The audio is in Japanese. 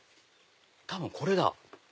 多分これだ。